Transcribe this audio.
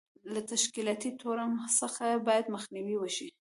له تشکیلاتي تورم څخه باید مخنیوی وشي.